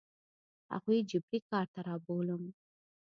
هغوی جبري کار ته رابولم.